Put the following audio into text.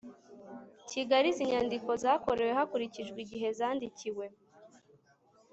kigali izi nyandiko zakorewe hakurikijwe igihe zandikiwe